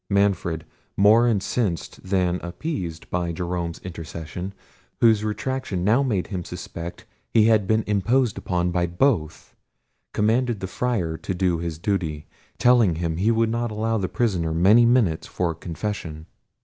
Manfred, more incensed than appeased by Jerome's intercession, whose retraction now made him suspect he had been imposed upon by both, commanded the Friar to do his duty, telling him he would not allow the prisoner many minutes for confession.